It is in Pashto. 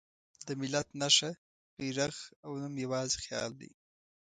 د ملت نښه، بیرغ او نوم یواځې خیال دی.